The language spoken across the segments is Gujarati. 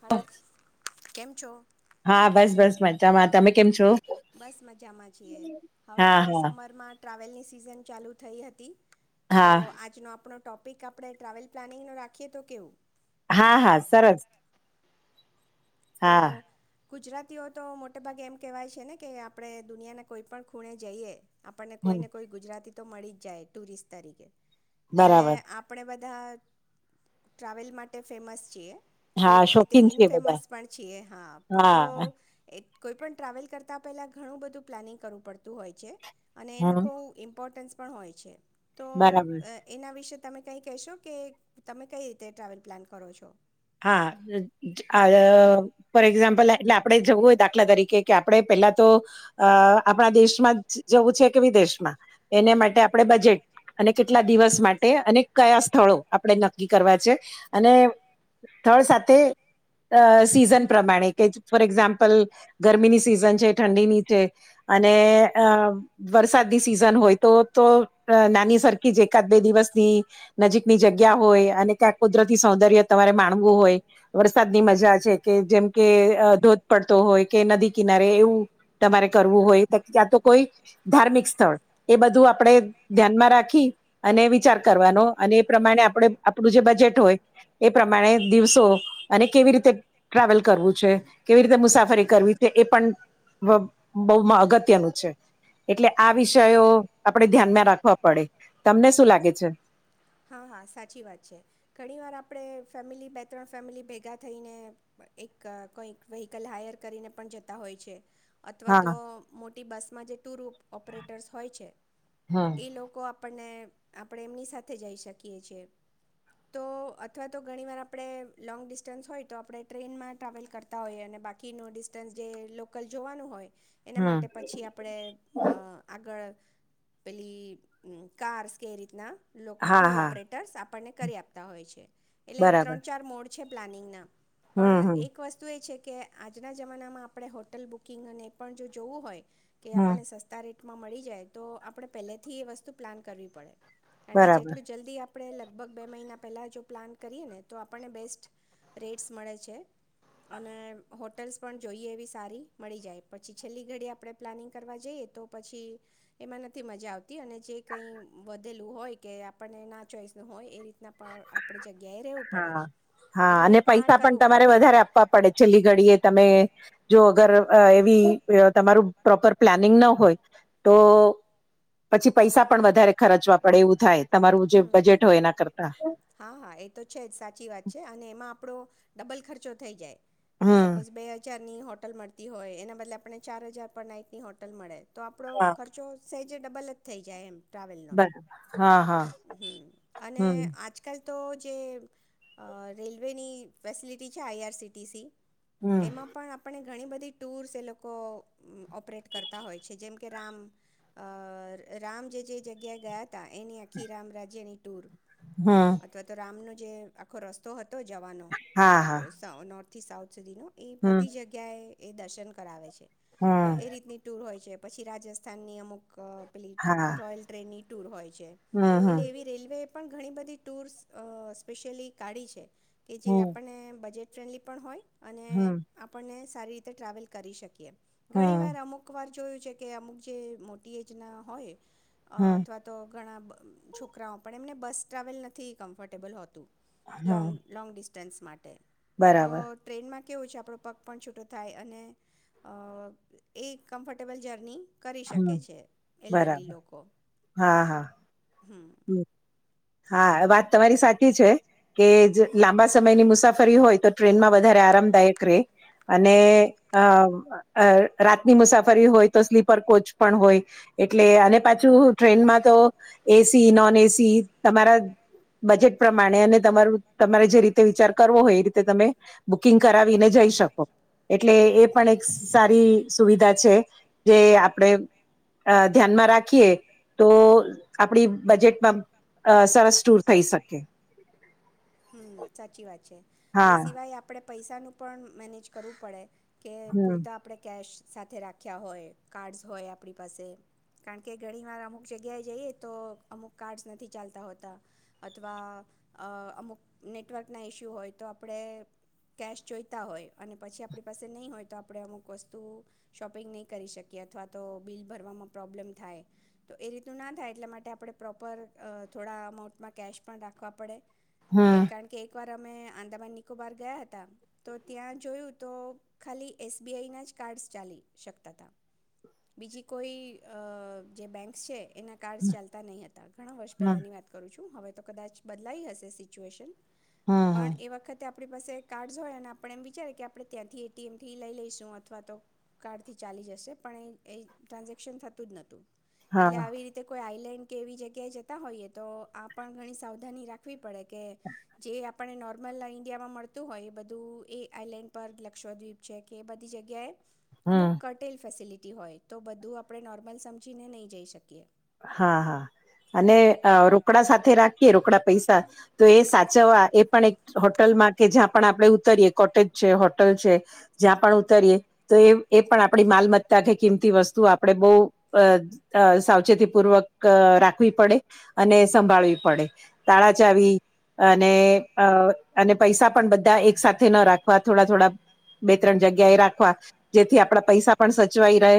હા કેમ છો? હા, બસ બસ મજામાં તમે કેમ છો? બસ મજામાં છીએ હવે હા તો હા સમરમાં ટ્રાવેલની સિઝન ચાલુ થઈ હતી. તો હા આજનો આપણો ટોપિક આપણે ટ્રાવેલ પ્લાનિંગનું રાખીએ તો કેવું? હા હા સરસ. તો હા ગુજરાતીઓ તો મોટેભાગે એમ કહેવાય છે ને કે આપણે દુનિયાના કોઈ પણ ખૂણે જઈએ આપણને હમ કોઈને કોઈ ગુજરાતી તો મળી જ જાય ટુરિસ્ટ તરીકે એટલે બરાબર આપણે બ બધા ટ્રાવેલ માટે ફેમસ છીએ. હા કોઈક રીતે શોખીન છીએ બધા. ઇનફેમસ પણ છીએ હા તો. હા એ કોઈ પણ ટ્રાવેલ કરતાં પહેલા ઘણું બધું પ્લાનિંગ કરવું પડતું હોય છે. અને એનું હા ખવ ઇમ્પોર્ટન્સ પણ હોય છે. તો બરાબર એના વિશે તમે કઈ કેહશો કે તમે કઈ રીતે ટ્રાવેલ પ્લાન કરો છો? હા, આ ફોર એક્ઝામ્પલ એટલે આપણે જવું હોય દાખલા તરીકે કે આપણે પેહલા તો આપણા દેશમાં જવું છે કે વિદેશમાં એને હમ માટે આપણે બજેટ અને કેટલા દિવસ માટે અને કયા સ્થળો આપણે ન કકી કરવા છે અને થળ સાથે અ સિઝન પ્રમાણે કે ફોર એક્ઝામ્પલ ગરમીની સિઝન છે, ઠંડીની છે અને અ વરસાદની સિઝન હોય તો તો નાની સરખી જ એકાદ બે દિવસની નજીકની જગ્યા હોય અને ક્યાંક કુદરતી સૌંદર્ય માણવું હોય વર સાદની મજા છે કે જેમ કે ધોધ પડતો હોય કે નદી કિનારે એવું તમારે કરવું હોય ક્યાં તો કોઈ ધાર્મિક સ્થળ એ બધું આપણે ધ્યાનમાં રાખી અને વિચાર કરવાનો અને એ પ્રમાણે આપણે આપણું જે બજેટ હોય એ પ્રમાણે દિવસો અને કેવી રીતે ટ્રાવેલ કરવું છે, કેવી રીતે મુસાફરી કરવી છે, એ પણ બહુ અગત્યનું છે, એટલે આ વિષયો આપણેે ધ્યાનમાં રાખવા પડે તમને શું લાગે છે. હા હા સાચી વાત છે ઘણીવાર આપણે ફેમિલી બે ત્રણ ફેમિલી ભેગા થઈને એક કોઈક વેહકલ હાયર કરીને પણ જતા હોય છે. અથવા તો હા મોટી બસમાં જે ટુ રૂ ઓપરેટર્સ હોય છે. હમ એ લોકો આપણને આપણે એમની સાથે જઈ શકીએ છીએ, તો અથવા તો ઘણીવાર આપણે લોંગ ડિ ડિસ્ટન્સ હોય તો આપણે ટ્રેનમાં ટ્રાવેલ કરતા હોઈએ અને બાકીનું ડિસ્ટન્સ જે લોકલ જોવાનું હોય. એના હમ માટે પછી આપડે અ આગળ પેલી હ કારસ કે રીતના. લો હા ટૂર હા ઓપરેટર્સ આપ આપણને કરી આપતા હોય છે. એટલે બરાબર ત્રણ ચાર મોડ છે. પ્લાનિંગના. હમ પણ હમ એક વસ્તુ એ છે. કે આજના જમાનામાં આપણે હોટલ બુકિંગ અને પણ જો જોવું હોય. કે હમ આપણે સસ્તા રેટ મળી જાય તો આપણે પહેલેથી એ વસ્તુ પ્લાન કરવી પડે. કારે બરાબર જેટલું જલ્દી આપ આપણે લગભગ બે મહિના પહેલાં જો પ્લાન કરીએ ને તો આપણને બેસ્ટ રેટસ મળે છે અને હોટેલ્સ પણ જોઈએ, એવી સારી મળી જાય પછી છેલ્લી ઘડી આપણે પ્લાનિંગ કરવા જઈએ તો પછી એમાં નથી મજા આવતી, અને જે કઈ વધેલું હોય કે આપણને ના ચોઈસ નું હોય એ રી આપણી જગ્યાએ ર રહેવું પડે. હા હા એટલે અને આ પૈસા પણ કરવું તમારે પડે વધારે આપવા પડે છેલ્લી ઘડીએ તમે જો અગર એવી તમારું પ્રોપર પ્લાનિંગ ન હોય, તો પછી પૈસા પણ વધારે ખર્ચવા પડે એવું થાય. તમારું જે હમ બજેટ હોય એના કરતા. હા હા એ તો છે જ સાચી વાત છે અને એમાં આપડો ડબલ ખર્ચો થઈ જાય. એ હમ સપોઝ બે હજાર ની હોટલ મળતી હોય એના બદલે આપણને ચાર હજાર પર નાઈટ ની હોટલ મળે તો આપડો હા ખર્ચો જ સહેજે ડબલ જ થઈ જાય એમ. બરાબ હા. હમ્મ અને હમ. આજકાલ રેલવેની ફેસલટી છે, આઈઆરસીસી. હમ એમાં પણ આપણે ઘણી બધી, ટૂર્સ એ લોકો ઓપરેટ કરતા હોય છે, જેમ કે રામ રામ જે જગ્યાએ ગયા હતા, એની કી રામ, રાજજેની. હમ અથવા, તો રામનો જે આખો, રસ્તો હતો. તો જવાનો હા હા નો [unintelligible] સાઉથ સુધીનો, એ હમ બધી જગ્યાએ. એ દર્શન કરાવે છે. તો, હા. એ રીતની ટુર હોય છે. પછી, રાજસ્થાનની અમુક. પ્લીટ હમ રોયલ, ટ્રેનની. દૂર, હોય છે. હમ એટલે, એવી રેલવે પણ ઘણી બધી ટુર્સ સ્પેશિયલી કાઢી છે કે જે, આપણને બજેટ ફ્રેન્ડલી, પણ હોય. અને, હમ આપણને. સારી રીતે ટ્રાવેલ, કરી શકીએ. ઘણી વાર, અમુક વાર જોયું. છે, કે અમુક જે, મોટી એજના હોય. અ હમ અથવા, તો ઘણા, બ છોકરાઓ, પણ એમને બસ ટ્રાવેલ નથી, કમ્ફર્ટેબલ હોતું. લોન્ગ હમ લોન્ગ, ડિસ્. સ્ટેન્સ, માટે. તો બરાબર. ટ્રેનમાં. કેવું છે, આપણો પગ પણ છૂટો, થાય અને, એ કમ્ફર્ટેબલ જર્ની. કરી શકે છે, એલ્ડરલી બરાબર લોકો. હમ હ, હા વાત તમારી સાચી છે, કે લાંબા સમયની મુસાફરી હોય તો ટ્રેનમાં વધારે આરામદાયક રે અને અ રાતની મુસાફરી હોય, તો સ્લીપર કોચ, પણ હોય, એટલે અને પાછું ટ્રેનમાં તો એસ સી, નોન એસી, તમારા બજેટ પ્રમાણે અને તમારું તમારે જે, રીતે. વિચાર કરવો હોય, એ રીતે તમે બુકિંગ કરાવીને જઈ, શકો એટલે એ પણ એક સારી સુવિધા છે, જે આપણે ધ્યાનમાં રાખીએ, તો આપડી બજેટમાં અહ સરસ ટૂર થઈ શકે. હમ સાચી વાત છે એ હા સિવાય આપડ આપડે પૈસાનું પણ મેનેજ કરવું પડે. કે હમ પૂરતા આપડે કેશ સાથે રાખ્યા હોય કાર્ડસ હોય આપડી પાસે કારણ કે ઘણી વાર અમુક જગ્યાએ જઈએ તો અમુક કાર્ડસ નથી ચાલતા હોતા અથવા અહ અમુક નેટવર્કના ઇશ્યુ હોય તો આપડે કેશ જોઈતા હોય અને પછી આપડી પાસે નહીં હોય તો આપડે અમુક વસ્તુ શોપિંગ નહીં કરી શકીએ અથવા તો બિલ ભરવામાં પ્રોબ્લેમ થાય તો એ રીતનું ના થાય એટલા માટે આપણે પ્રોપર અહ થોડા અમાઉન્ટમાં કેશ પણ રાખવા પડે. એ હમ કારણ કે એક વાર અમે આંદામાન નિકોબાર ગયા હતા તો ત્યાં જોયું તો ખાલી એસ બી આઈ ના જ કાર્ડસ ચાલી શકતા હતા. બીજી કોઈ અહ જે બેંક છે એના કાર્ડસ ચાલતા નહીં હતા ઘણા વર્ષ હમ પહેલાની વાત કરું છું. હું, હવે તો કદાચ બદલાઈ હશે સી સિચ્યુએશન હમ હમ. પણ એ વખતે આપ આપણી પાસે કાર્ડસ હોય ને આપણે એમ વિચારે કે આપણે ત્યાંથી એટીએમ થી લઈ લઈશું અથવા તો કાર્ડ થી ચાલી જશે પણ એ એ ટ્રાન્ઝેક્શન થતું જ નથી. એટલે હા આવી રીતે કોઈ આ પલેન કે એવી જગ્યાએ જતા હોઈએ તો આ પણ ઘણી સાવધાની રાખવી પડે. કે, જે આપ આપને નોર્મલ ઇન્ડિયામાં મળતું હોય એ બધું એ આઇલેન્ડ પર લક્ષદ્વીપ છે કે એ બધી જગ્યાએ. હમ. અમુક કટેલ ફેસીલિ હોય તો બધું આપણે નોર્મલ સમજીને નહીં જઈ શકીએ. હા હા અને રોકડા સાથે રાખીએ રોકડા પૈસા તો એ સાચવવા એ પણ એક હોટલમાં કે જ્યાં પણ આપણે ઉતરીએ, કોટેજ છે હોટલ છે જ્યાં પણ ઉતરીયએ તો એ એ પણ આપણી માલમત્તા કે કિંમતી વસ્તુ આપણે બહુ સાવ સાવચેતી પૂર્વક રાખવી પડે, અને સંભાળવી પડે, તાળા ચાવી અને અને પૈસા પણ બધા એક સાથે ન રાખવા થોડા થોડા બે ત્રણ જગ્યાએ રાખ જેથી આપણા પૈસા પણ સચવાઈ રહે,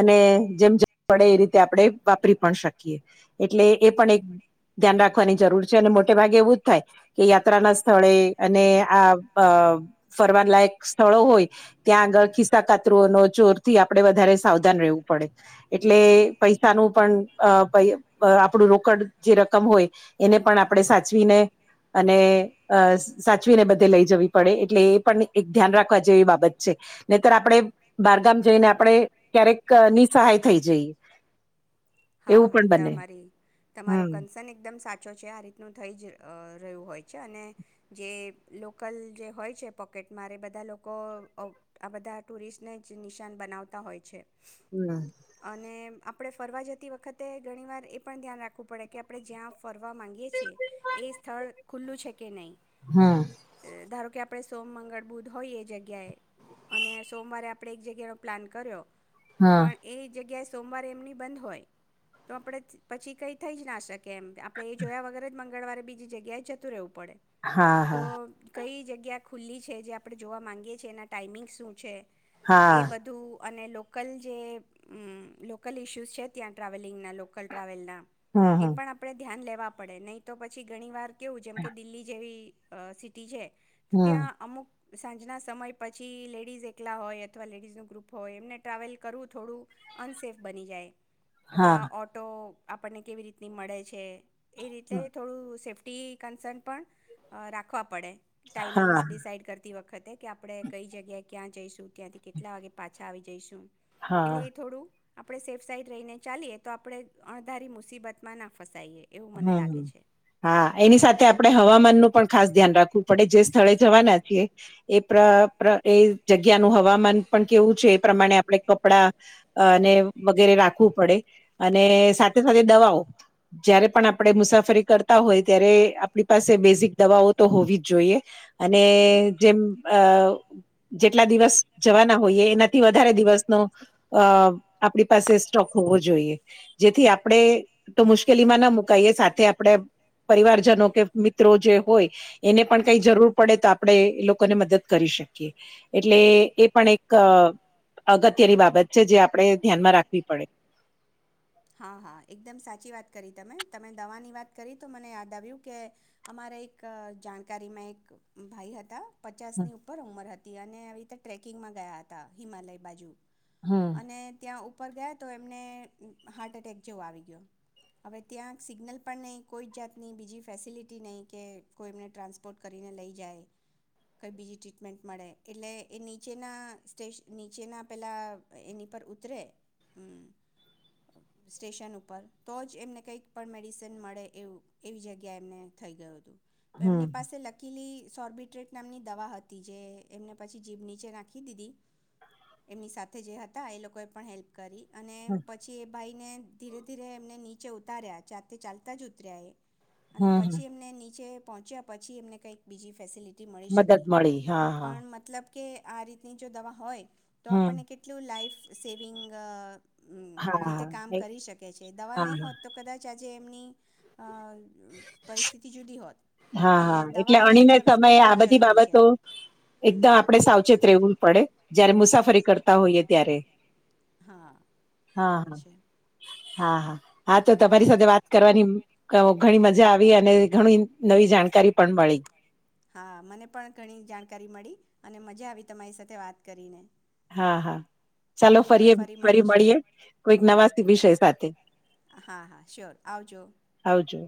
અને જેમ જ પડે એ રીતે આપડે વાપરી પણ શકીએ, એટલે એ પણ એક ધ્યાન રાખવાની જરૂર છે અને મોટે ભાગે એવું જ થાય કે યાત્રા ના સ્થળે અને આ ફરવાલાયક સ્થળો હોય, ત્યાં આગળ ખિસ કાતુ ન જોોર થી આપડે વધારે સાવધાન રહેવું પડે, એટલે પૈ નું પણ પ આપણું રોકડ જે રકમ હોય એને પણ આપણે સાચવીને અને સાચવીને બધે લઈ જવી પડે, એટલે એ પણ એક ધ્યાન રાખવા જેવી બાબત છે, નેતર આપણે બહારગામ જઈને આપડે ક્યારેક ની સહાય થઈ જઈએ. હા એવું હા પણ બને તમારી તમારું હમ કન્સન એકદમ સા ચું છે આ રીતનું થઈ જ અહ રહ્યું હોય છે અને જે લોકલ જે હોય છે પોકેટમાંરે એ બધા લોકો વ આ બધા ટુરિસ્ટને જ નિશાન બનાવતા હોય છે. હા. આપડે ફરવા જતી વખતે ઘણીવાર એ પણ ધ્યાન રાખવું પડે કે આપડે જ્યાં ફરવા માંગીએ છીએ એ સ્થળ ખુલ્લું છે કે નહી. હમ એ ધારો કે આપ આપડે સોમ, મંગળ, બુદ્ધ હોય એ જગ્યાએ અને સોમવારે આપડે એક જગ્યાનો પ્લાન કર્યો હા પણ એ જગ્યા સોમવારે એમની બંધ હોય તો આપણે પછી કંઈ થઈ જ ના શકે. કેમ આપણે એ જોયા વગર જ મગ મંગળવારે બીજી જગ્યાએ જતું રહવું. પડે હા હા તો કંઇ જગ્યા ખુલ્લી છે જે આપણે જોવા માંગીએ છીએ એના ટાઈમિંગ શું છે એ હા બધું અને લોકલ જે અમ લોકલ ઇશ્યુઝ છે ત્યાં ટ્રાવેલિંગના લોકલ ટ્રાવેલના હા એ પણ આપણે ધ્યાન લેવા વા પડે નહી તો પછી ઘણી વાર કેવું જેમ કે દિલ્હી જેવી અ સિટી છે તો ત્યાં અમુક સાંજના સમય પછી લેડીઝ એ એકલા હોય અથવા લેડીઝનું ગ્રુપ હોય એમને ટ્રાવેલ કરવું થોડું અનસેફ બની જાય. હા અથવા હા ઓટો આપણને કેવી રીતની મળે છે એ રીતે થોડું સેફ ટી કન્સન પણ અ રાખવા પડે. ટાઈમિંગ્સ હા ડિસાઇડ કર તી વખતે કે આપણે કઈ જગ્યાએ ક્યાં જઈશું ત્યાંથી કેટલા વાગે પાછા આવી જઈશું હા એટલે એ થોડું આપણે સેફ સાઇડ રહીને ચાલીએ તો આપણે અણધારી મુસીબતમાં ના ફસાઈએ. એવું મને હહ લાગે છે હા એની સાથે આપડે હવામાનનું પણ ખાસ ધ્યાન રાખવું પડે. જે સ્થળે જવાના છીએ એ પ્ર પ્ર એ જગ્યાનું હવામાન પણ કેવું છે એ પ્રમાણે આપણે કપડા ને વગેરે રાખવું પડે અને સાથે સાથે દવાઓ જ્યારે પણ આપણે મુસાફરી કરતા હોય ત્યારે આપણી પાસે બેઝિક દવાઓ તો હોવી જ જોઈએ. અને જેમ અ જેટલા દિવસ જવાના હોઈએ એનાથી વધારે દિવસનો અ આપણી પાસે સ્ટોક હોવો જોઈએ. જેથી આપણે તો મુશ્કેલીમાં ન મુક મુકાઇએ સાથે આપણે પરિવારજનો કે મિત્રો જે હોય એને પણ કઈ જરૂર પડે તો આપણે એ લોકોને મદદ કરી શકીએ એટલે એ પણ એક અગત્યની બાબત છે જે આપણે ધ્યાનમાં રાખવી પડે. હા હા એકદમ સાચી વાત કરી તમે તમે દવાની વાત કરી તો મને યાદ આવ્યું કે અમારે એક જાણકારીમાં એક ભાઈ હતા. હમ પચાસની ઉપર ઉંમર હત તી અને આવી રીતે ટ્રેકિંગમાં ગયા હતા હિમાલય બાજુ હમ અને ત્યાં ઉપ ઉપર ગયા તો એમને હાર્ટ એટેક જેવો આવી ગયો. હવે ત્યાં સિગ્નલ પણ નહીં કોઈ જ જાતની બીજી ફેસિલિટી નહીં કે કોઈ એમને ટ્રાન્સપોર્ટ કરીને લઈ જાય કંઈ બીજી ટ્રીટમેન્ટ મળે એટલે એ નીચેના સ્ટેશ નીચેના પહેલાં એની પર ઉતરે અમ સ્ટેશન ઉપર તો જ એમને કંઈક પણ મેડિસિન મળે એવું એવી જગ્યાએ એમને થઈ ગયું હતું. તો એમની પાસે લકીલી સોર્બિટ્રેટ નામની દવા હતી જે એમને પછી જીભ નીચે નાખી દીધી એમની સાથે જે હતા એ લોકોએ પણ હેલ્પ કરી. અને હમ પ ભાઈને ધીરે ધીરે એમને નીચે ઉતાર્યા જાતે ચાલતા જ ઉતર્યા એ અને હમ પછી એમને નીચે પહોંચ્યા પછી એને કંઈક બીજી ફેસલિ ટી મળી મદદ શકી મળી હા હા પણ મતલબ કે આ રીતની જો દવા હોય તો હમ આપણને કેટલું લાઈફ સેવિંગ અહ અમ્મ. હા રીતે કામ હા કરી શકે છે દવા નહીં હા હોત તો કદાચ આ જેમની અ પરિસ્થિતિ જુદી હોત હા હા એટલે દવા લઈ અણીને જવી તો સમયે બહુ આ જ બધી જરૂરી છે બાબતો હમ એકદમ આપડે સાવચેત રહેેવું પડે જયારે મુસાફરી કરતા હોઈએ ત્યારે હા હા બરાબર હા છે હા હા હા તો તમારી સાથે વાત કરવાની અ ઘણી મ મજા આવી અને ઘણી. નવી જાણકારી. પણ મળી હા મને પણ ઘણી જાણકારી મળી અને મજા આવી તમારી સાથે વાત કરીને. હા હા ચાલો આપણે ફરીએ ફરી મળીશું મળીએ કોઈક હમ નવા વિષય સાથે હા હા શ્યોર આવજો આવજો